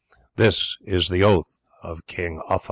This is the oath of King Uffa."